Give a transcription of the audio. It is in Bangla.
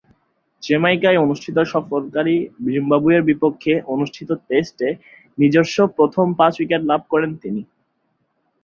জ্যামাইকায় অনুষ্ঠিত সফরকারী জিম্বাবুয়ের বিপক্ষে অনুষ্ঠিত টেস্টে নিজস্ব প্রথম পাঁচ-উইকেট লাভ করেন তিনি।